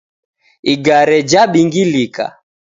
Igare jabingilika